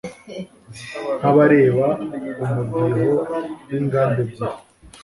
nk'abareba umudiho w'ingamba ebyiri